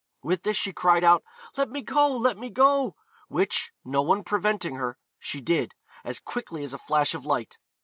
With this she cried out, 'Let me go! let me go!' which, no one preventing her, she did, as quickly as a flash of light.